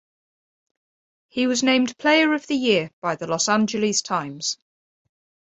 He was named player of the year by the "Los Angeles Times".